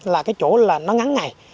là cái chỗ là nó ngắn ngày